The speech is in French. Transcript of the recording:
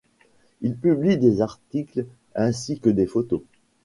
Ils publient des articles ainsi que des photos.